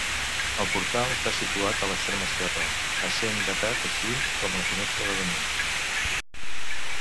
El portal està situat a l'extrem esquerre, essent datat així com la finestra de damunt.